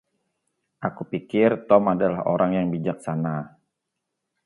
Aku pikir Tom adalah orang yang bijaksana.